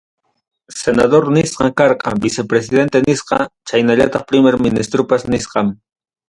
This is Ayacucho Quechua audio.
Senador nisqam karqa, vicepresidente nisqam, chaynallataq primer ministros nsqam.